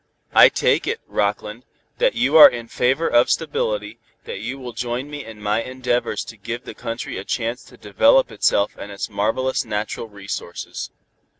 "I take it, Rockland, that you are in favor of stability, that you will join me in my endeavors to give the country a chance to develop itself and its marvelous natural resources."